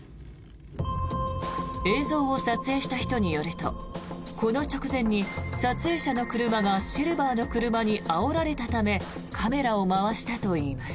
映像を撮影した人によるとこの直前に撮影者の車がシルバーの車にあおられたためカメラを回したといいます。